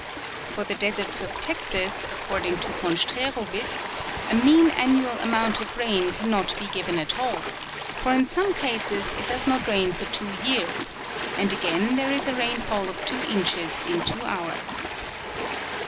For the deserts of Texas, according to von Streeruwitz, a mean annual amount of rain cannot be given at all ; for in some cases it does not rain for two years, and again there is a rainfall of two inches in two hours.